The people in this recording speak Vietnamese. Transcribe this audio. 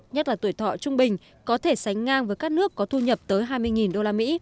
nhất là tuổi thọ trung bình có thể sánh ngang với các nước có thu nhập tới hai mươi usd